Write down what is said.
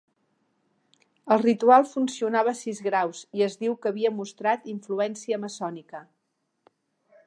El ritual funcionava sis graus i es diu que havia mostrat influència maçònica.